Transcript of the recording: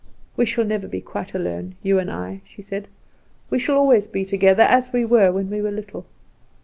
"We shall never be quite alone, you and I," she said; "we shall always be together, as we were when we were little."